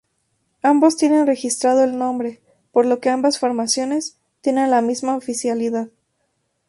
Ambos tienen registrado el nombre, por lo que ambas formaciones tienen la misma oficialidad.